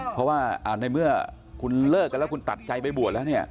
เพราะว่าในเมื่อคุณเลิกกันแล้วคุณตัดใจไปบวชแล้วเนี่ย